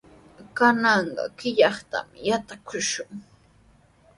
Kananqa qillqaytami yatrakushun.